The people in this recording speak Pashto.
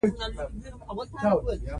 کندز سیند د افغانستان د جغرافیې بېلګه ده.